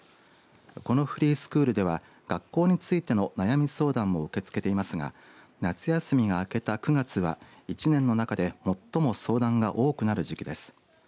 このフリースクールでは学校についての悩み相談も受け付けていますが夏休みが明けた９月は１年の中で最も相談が多くなる時期です。